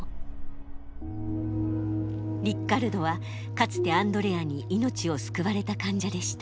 リッカルドはかつてアンドレアに命を救われた患者でした。